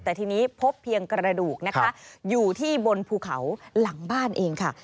แต่ทีนี้พบเพียงกระดูกนะคะอยู่ที่บนภูเขาหลังบ้านเองค่ะ